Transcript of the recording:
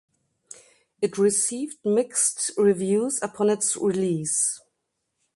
It received mixed reviews upon its release.